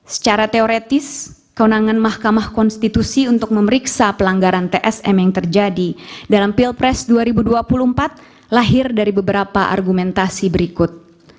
secara teoretis kewenangan mahkamah konstitusi untuk memeriksa pelanggaran tsm yang terjadi dalam pilpres dua ribu dua puluh empat lahir dari beberapa argumentasi berikut